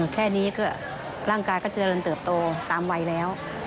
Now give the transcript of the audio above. แค่นี้ก็ร่างกายก็เจริญเติบโตตามวัยแล้ว